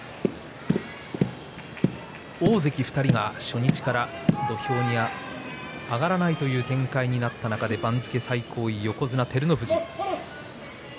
大関２人が初日から土俵に上がらないという展開になった中で、番付最高位横綱照ノ富士です。